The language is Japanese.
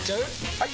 ・はい！